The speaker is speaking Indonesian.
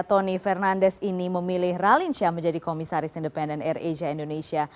tony fernandes ini memilih ralinsya menjadi komisaris independen air asia indonesia